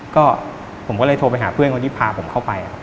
ก็ผมก็เลยโทรไปหาเพื่อนคนที่พาผมเข้าไปครับ